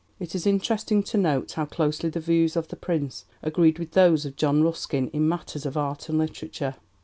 It is interesting to note how closely the views of the Prince agreed with those of John Ruskin in matters of art and literature.